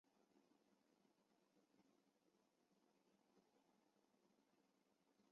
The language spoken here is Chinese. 达拉斯圣殿是得克萨斯州和美国中南部首座耶稣基督后期圣徒教会圣殿。